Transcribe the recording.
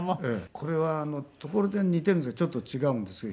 これはところてんに似ているんですがちょっと違うんですけど。